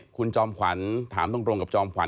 คุณจอมขวัญถามตรงกับจอมขวั